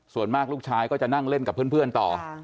ส่วนมากลูกชายก็จะนั่งเล่นกับเพื่อนต่อ